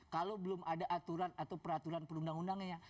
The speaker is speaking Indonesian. kalau belum ada aturan atau peraturan perundang undangnya